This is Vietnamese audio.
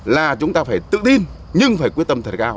là chúng ta phải tự tin nhưng phải quyết tâm thật cao